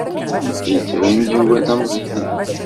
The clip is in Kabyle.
Yettban-d Yuba d ameẓẓyan.